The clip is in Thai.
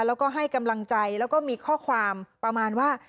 แล้วก็ให้กำลังใจแล้วก็มีข้อความประมาณว่า